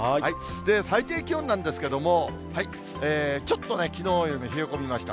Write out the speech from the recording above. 最低気温なんですけども、ちょっときのうより冷え込みました。